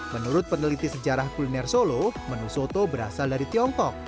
menurut peneliti sejarah kuliner solo menu soto berasal dari tiongkok